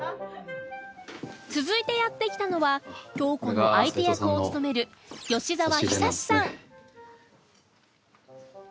続いてやって来たのは京子の相手役を務める吉沢悠さん